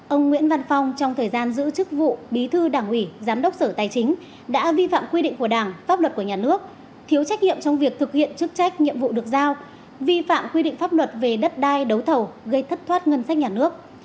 ông nguyễn văn phong trong thời gian giữ chức vụ bí thư đảng ủy giám đốc sở tài chính đã vi phạm quy định của đảng pháp luật của nhà nước thiếu trách nhiệm trong việc thực hiện chức trách nhiệm vụ được giao vi phạm quy định pháp luật về đất đai đấu thầu gây thất thoát ngân sách nhà nước